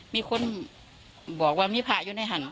มีคนบอกว่ามีพระอยู่ในหั่น